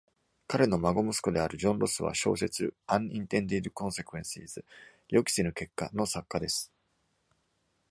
彼の孫息子であるジョン・ロスは、小説「Unintended Consequences（ 予期せぬ結果）」の作家です。